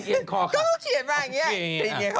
แล้วก็ยิ้มมิดมิด